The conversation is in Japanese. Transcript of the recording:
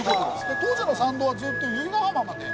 当時の参道はずっと由比ガ浜まで。